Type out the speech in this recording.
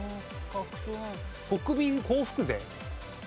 国民幸福税？